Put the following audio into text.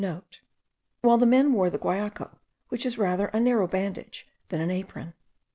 while the men wore the guayuco, which is rather a narrow bandage than an apron.